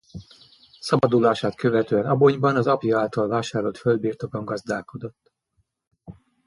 Szabadulását követően Abonyban az apja által vásárolt földbirtokon gazdálkodott.